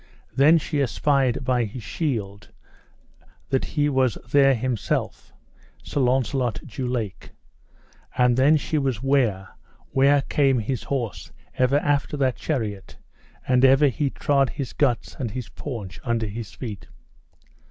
Then she espied by his shield that he was there himself, Sir Launcelot du Lake. And then she was ware where came his horse ever after that chariot, and ever he trod his guts and his paunch under his feet.